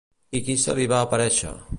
I qui se li va aparèixer?